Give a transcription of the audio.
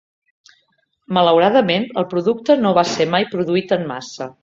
Malauradament, el producte no va ser mai produït en massa.